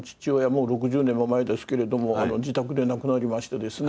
もう６０年も前ですけれども自宅で亡くなりましてですね